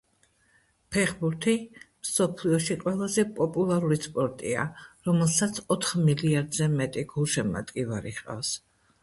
ფეხბურთი მსოფლიოში ყველაზე პოპულარული სპორტია, რომელსაც ოთხ მილიარდზე მეტი გულშემატკივარი ჰყავს.